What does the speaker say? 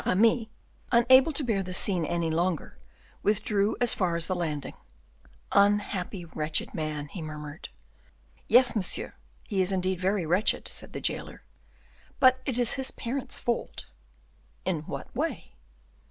Aramis, unable to bear this scene any longer, withdrew as far as the landing. "Unhappy, wretched man," he murmured. "Yes, monsieur, he is indeed very wretched," said the jailer; "but it is his parents' fault." "In what way?"